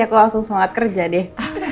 aku langsung semangat kerja deh